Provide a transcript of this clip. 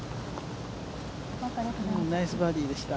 ナイスバーディーでした。